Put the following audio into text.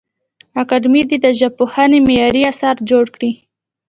اکاډمي دي د ژبپوهنې معیاري اثار جوړ کړي.